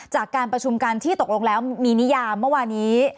จากการประชุมกันที่ตกลงแล้วมีนิยามเมื่อวานี้